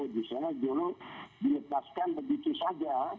misalnya jolo dilepaskan begitu saja